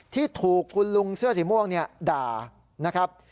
ที่ถูกคุณลุงเสื้อสีม่วงด่านะครับ